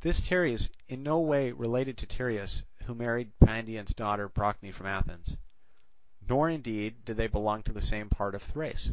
This Teres is in no way related to Tereus who married Pandion's daughter Procne from Athens; nor indeed did they belong to the same part of Thrace.